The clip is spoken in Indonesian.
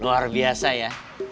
luar biasa ya